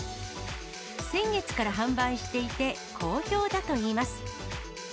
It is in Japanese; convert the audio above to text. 先月から販売していて好評だといいます。